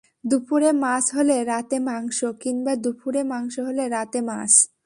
দুপুরে মাছ হলে রাতে মাংস, কিংবা দুপুরে মাংস হলে রাতে মাছ।